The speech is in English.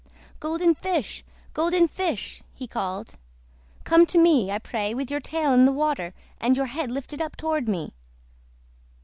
"Golden Fish, Golden Fish!" he called. "Come to me, I pray, with your tail in the water, and your head lifted up toward me!"